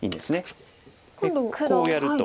でこうやると。